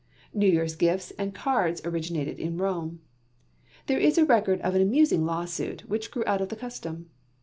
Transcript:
New Year's gifts and cards originated in Rome, and there is a record of an amusing lawsuit which grew out of the custom.